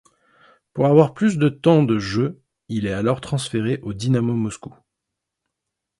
Pour avoir plus de temps de jeu il est alors transféré au Dynamo Moscou.